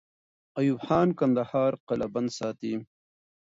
ایوب خان کندهار قلابند ساتي.